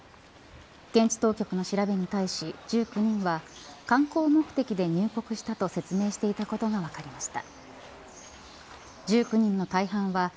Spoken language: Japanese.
現地当局の調べに対し１９人は観光目的で入国したと説明していたことが分かりました。